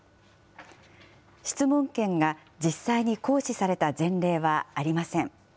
質問権が実際に行使された前例はありません。